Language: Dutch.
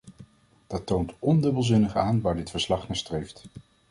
Dat toont ondubbelzinnig aan waar dit verslag naar streeft.